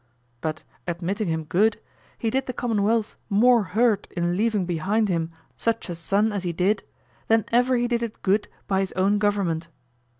But admitting him good, he did the commonwealth more hurt in leaving behind him such a son as he did than ever he did it good by his own government.